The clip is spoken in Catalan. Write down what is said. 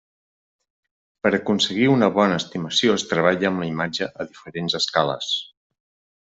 Per aconseguir una bona estimació es treballa amb la imatge a diferents escales.